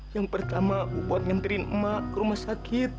yang pertama ibu buat mobil saya